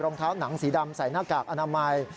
รองเท้าหนังสีดำใส่หน้ากากอนามัย